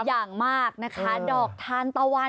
อย่างมากนะคะดอกทานตะวัน